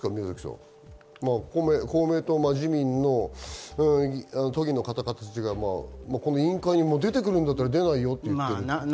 公明党、自民の都議の方々は委員会にも出てくるんだったら出ないよと言っている。